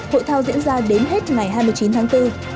hội thao diễn ra đến hết ngày hai mươi chín tháng bốn